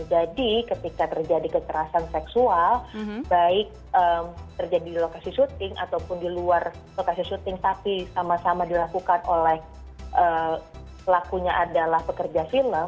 jadi ketika terjadi kekerasan seksual baik terjadi di lokasi syuting ataupun di luar lokasi syuting tapi sama sama dilakukan oleh pelakunya adalah pekerja film